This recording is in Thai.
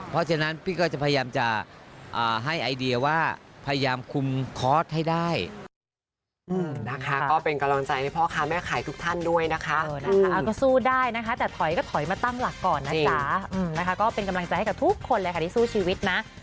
เพราะฉะนั้นพี่ก็จะพยายามจะให้ไอเดียว่าพยายามคุมคอร์สให้ได้